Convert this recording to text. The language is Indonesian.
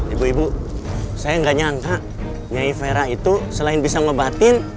ibu ibu saya nggak nyangka nyai vera itu selain bisa ngebatin